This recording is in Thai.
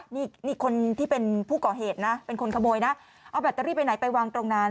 นี่คนที่เป็นผู้ก่อเหตุนะเป็นคนขโมยนะเอาแบตเตอรี่ไปไหนไปวางตรงนั้น